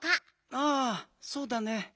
ああそうだね。